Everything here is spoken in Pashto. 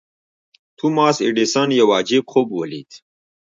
توماس ايډېسن يو عجيب خوب وليد.